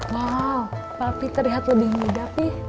wow papi terlihat lebih muda pi